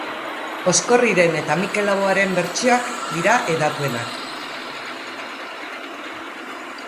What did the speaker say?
Oskorriren eta Mikel Laboaren bertsioak dira hedatuenak.